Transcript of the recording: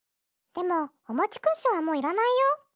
でもおもちクッションはもういらないよ。